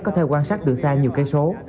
có thể quan sát từ xa nhiều cây số